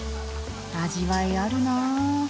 味わいあるなあ。